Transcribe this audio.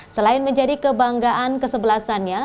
selain menjadi kebanggaan kesebelasannya